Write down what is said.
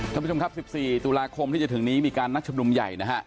ท่านผู้ชมครับ๑๔ตุลาคมที่จะถึงนี้มีการนัดชุมนุมใหญ่นะฮะ